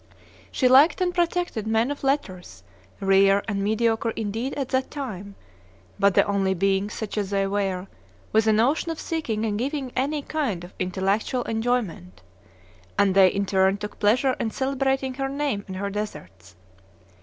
She liked and protected men of letters, rare and mediocre indeed at that time, but the only beings, such as they were, with a notion of seeking and giving any kind of intellectual enjoyment; and they in turn took pleasure in celebrating her name and her deserts.